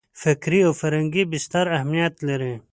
فکري او فرهنګي بستر اهمیت لري.